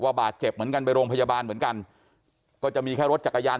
บาดเจ็บเหมือนกันไปโรงพยาบาลเหมือนกันก็จะมีแค่รถจักรยาน